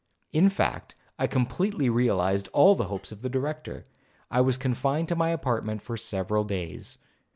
In fact, I completely realized all the hopes of the Director. I was confined to my apartment for several days.